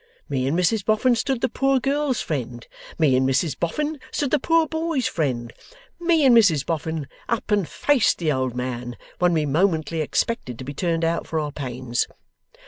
Me and Mrs Boffin stood the poor girl's friend; me and Mrs Boffin stood the poor boy's friend; me and Mrs Boffin up and faced the old man when we momently expected to be turned out for our pains.